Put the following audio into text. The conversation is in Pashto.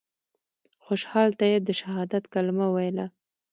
خوشحال طیب د شهادت کلمه ویله.